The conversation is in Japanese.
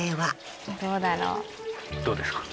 どうですか？